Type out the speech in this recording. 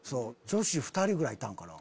女子２人ぐらいいたんかな。